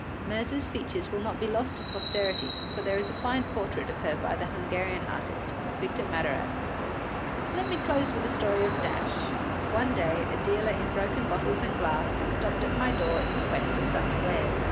Myrza’s features will not be lost to posterity, for there is a fine portrait of her by the Hungarian artist, Victor Madarasz. Let me close with the story of Dash. One day a dealer in broken bottles and glass stopped at my door in quest of such wares.